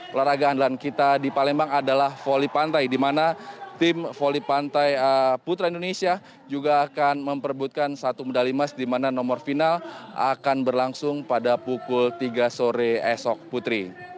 olahraga andalan kita di palembang adalah voli pantai di mana tim voli pantai putra indonesia juga akan memperbutkan satu medali emas di mana nomor final akan berlangsung pada pukul tiga sore esok putri